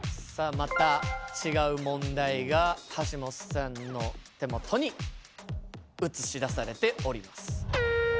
また違う問題が橋本さんの手元に映し出されております。